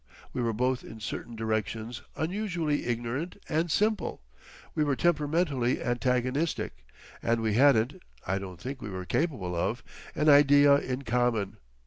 We were both in certain directions unusually ignorant and simple; we were temperamentally antagonistic, and we hadn't—I don't think we were capable of—an idea in common.